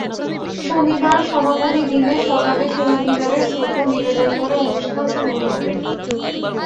শনিবার সমাপনী দিনে সকালে শহীদ মিনারে শ্রদ্ধা নিবেদন করে অনুষ্ঠান শুরু হবে।